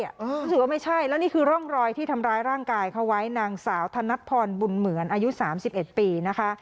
รู้สึกว่าไม่ใช่แล้วนี่คือร่องรอยที่ทำร้ายร่างกายเขาไว้นางสาวธนัดพรบุญเหมือนอายุ๓๑ปีนะคะ